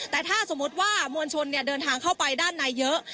แต่ถ้าสมมุติว่ามวลชนเดินทางเข้าไปด้านในเยอะ